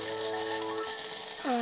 あ。